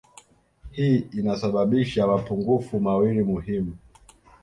Hii inasababisha mapungufu mawili muhimu